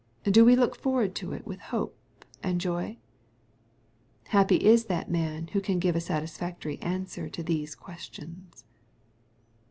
Do we look forward to it with hope and joy ?— ^Happy is that man who can give a satisfactory answer to these questions.